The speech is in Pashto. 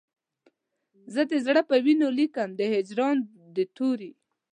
زه د زړه په وینو لیکم د هجران د توري